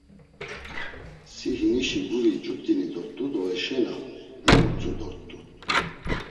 Si hinişi guri cut̆ini dort̆u do heşena, ya utzu dort̆u.